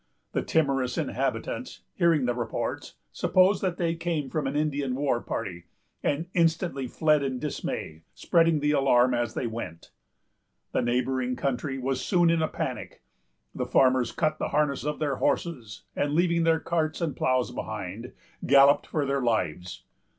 The timorous inhabitants, hearing the reports, supposed that they came from an Indian war party, and instantly fled in dismay, spreading the alarm as they went. The neighboring country was soon in a panic. The farmers cut the harness of their horses, and, leaving their carts and ploughs behind, galloped for their lives.